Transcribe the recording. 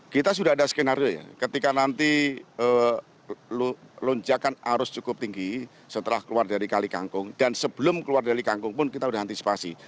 kita sudah ada skenario ya ketika nanti lonjakan arus cukup tinggi setelah keluar dari kali kangkung dan sebelum keluar dari kangkung pun kita sudah antisipasi